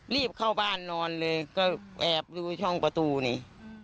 รีบเข้าบ้านนอนเลยก็แอบดูช่องประตูนี่